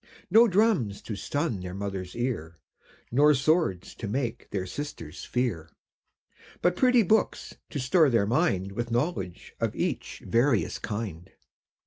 No drums to stun their Mother's ear, Nor swords to make their sisters fear; But pretty books to store their mind With knowledge of each various kind.